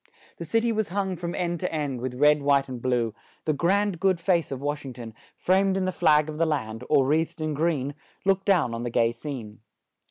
The cit y was hung from end to end, with red, white and blue; the grand, good face of Wash ing ton, framed in the flag of the land, or wreathed in green, looked down on the gay scene.